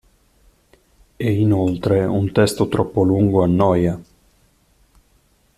E, inoltre, un testo troppo lungo annoia.